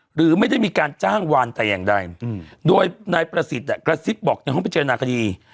หรือไม่ได้มีการจ้างวานแต่อย่างใดโดยนายประสิทธิ์กระซิบบอกในห้องพิจารณาคดี